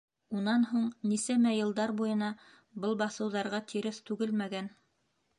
Унан һуң нисәмә йылдар буйына был баҫыуҙарға тиреҫ түгелмәгән.